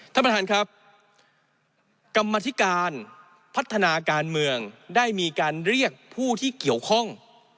ท่านประธานครับกรรมธิการพัฒนาการเมืองได้มีการเรียกผู้ที่เกี่ยวข้อง